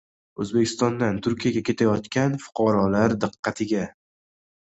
O‘zbekistondan Turkiyaga ketayotgan fuqarolar diqqatiga!